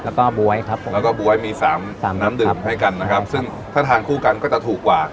แล้วก็บ๊วยครับผมแล้วก็บ๊วยมีสามสามน้ำดื่มให้กันนะครับซึ่งถ้าทานคู่กันก็จะถูกกว่า